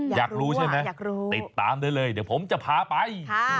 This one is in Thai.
อยากรู้ใช่ไหมอยากรู้ติดตามได้เลยเดี๋ยวผมจะพาไป